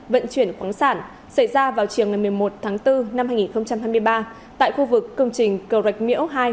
vận chuyển khoáng sản xảy ra vào chiều một mươi một tháng bốn năm hai nghìn hai mươi ba tại khu vực công trình cầu rạch miễu hai